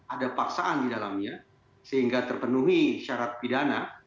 ada paksaan di dalamnya sehingga terpenuhi syarat pidana